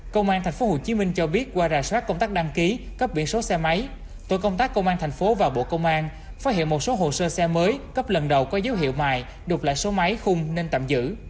công an tp hcm cho biết qua rà soát công tác đăng ký cấp biển số xe máy tội công tác công an tp và bộ công an phát hiện một số hồ sơ xe mới cấp lần đầu có dấu hiệu mài đục lại số máy khung nên tạm giữ